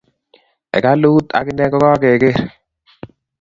hekalut akine ko kakekeer